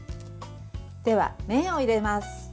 では麺を入れます。